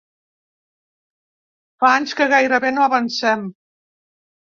Fa anys que gairebé no avancem.